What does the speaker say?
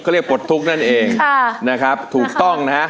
เรียกปลดทุกข์นั่นเองนะครับถูกต้องนะฮะ